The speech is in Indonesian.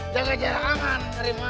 jangan jarang rima